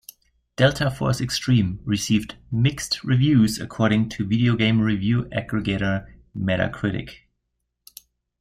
"Delta Force: Xtreme" received "mixed" reviews according to video game review aggregator Metacritic.